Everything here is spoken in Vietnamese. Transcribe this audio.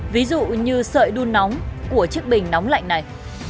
ví dụ như sợi đun nóng của chiếc bình nóng lạnh này